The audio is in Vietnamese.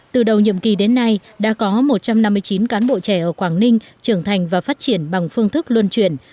từ đầu nhiệm kỳ đến nay đã có một trăm năm mươi chín cán bộ trẻ ở quảng ninh trưởng thành và phát triển bằng phương thức luân chuyển